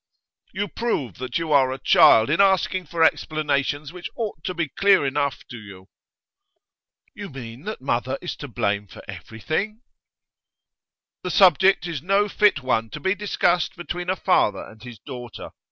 'You prove that you are a child, in asking for explanations which ought to be clear enough to you.' 'You mean that mother is to blame for everything?' 'The subject is no fit one to be discussed between a father and his daughter.